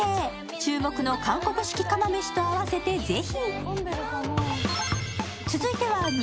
注目の韓国式釜飯と合わせてぜひ！